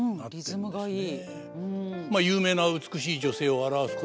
リズムがいい。